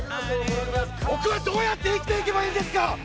僕はどうやって生きていけばいいんですか。